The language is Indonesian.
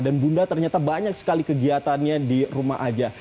dan bunda ternyata banyak sekali kegiatannya di rumah aja